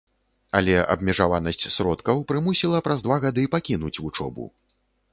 Але абмежаванасць сродкаў прымусіла праз два гады пакінуць вучобу.